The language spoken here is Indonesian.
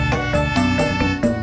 gak lama kan